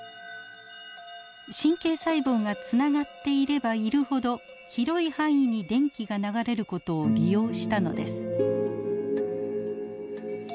神経細胞がつながっていればいるほど広い範囲に電気が流れる事を利用したのです。